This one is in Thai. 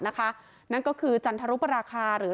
นะครับนั่นก็คือจรรถรุปราคาหรือ